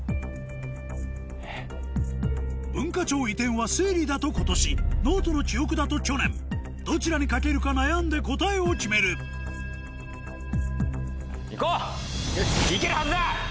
文化庁移転は推理だと今年ノートの記憶だと去年どちらに懸けるか悩んで答えを決めるいけるはずだ！